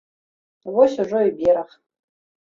Вось ужо і бераг.